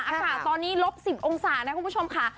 อากาศตอนนี้ลบ๑๐องศานะคุณผู้ชมค่ะ